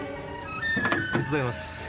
手伝います。